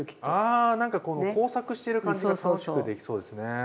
ああ何かこの工作している感じが楽しくできそうですね。